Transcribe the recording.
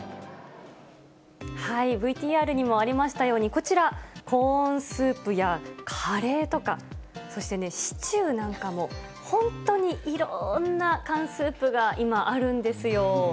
ＶＴＲにもありましたように、こちら、コーンスープやカレーとか、そしてね、シチューなんかも、本当にいろんな缶スープが今、あるんですよ。